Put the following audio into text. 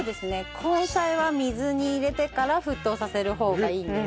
根菜は水に入れてから沸騰させる方がいいんです。